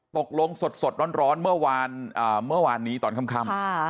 ตกลงสดร้อนเมื่อวานนี้ตอนค่ำ